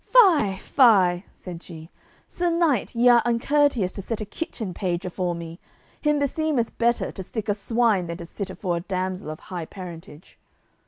"Fie, fie," said she, "sir knight, ye are uncourteous to set a kitchen page afore me; him beseemeth better to stick a swine than to sit afore a damsel of high parentage."